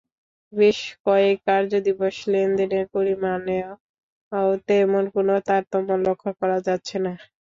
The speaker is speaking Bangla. বেশ কয়েক কার্যদিবস লেনদেনের পরিমাণেও তেমন কোনো তারতম্য লক্ষ করা যাচ্ছে না।